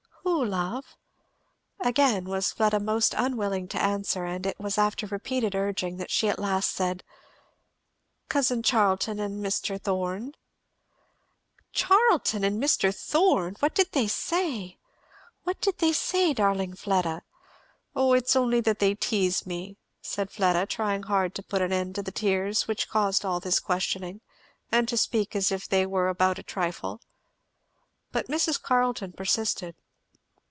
"Who, love?" Again was Fleda most unwilling to answer, and it was after repeated urging that she at last said, "Cousin Charlton and Mr. Thorn." "Charlton and Mr. Thorn! What did they say? What did they say, darling Fleda?" "O it's only that they tease me," said Fleda, trying hard to put an end to the tears which caused all this questioning, and to speak as if they were about a trifle. But Mrs. Carleton persisted.